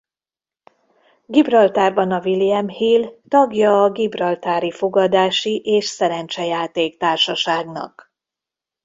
Gibraltárban a William Hill tagja a Gibraltári Fogadási és Szerencsejáték Társaságnak.